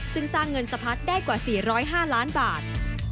ซึ่งสร้างเงินสะพัดได้กว่า๔๐๕ล้านบาท